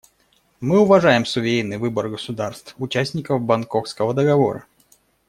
Мы уважаем суверенный выбор государств — участников Бангкокского договора.